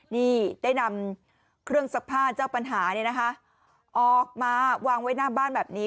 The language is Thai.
นี่ได้นำเครื่องซักผ้าเจ้าปัญหาเนี่ยนะคะออกมาวางไว้หน้าบ้านแบบนี้